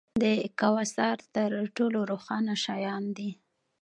د کواسار تر ټولو روښانه شیان دي.